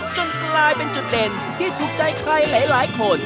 จนกลายเป็นจุดเด่นที่ถูกใจใครหลายคน